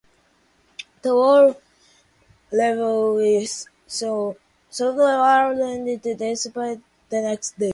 The low-level swirl curved southwestward and dissipated the next day.